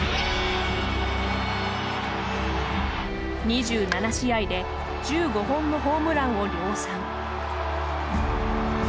２７試合で１５本のホームランを量産。